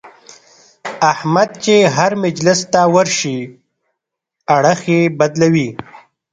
احمد چې هر مجلس ته ورشي اړخ یې بدلوي.